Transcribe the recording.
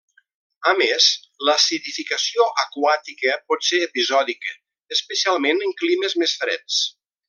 A més, l'acidificació aquàtica pot ser episòdica, especialment en climes més freds.